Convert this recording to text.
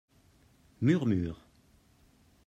Murmures.